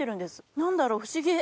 何だろう不思議！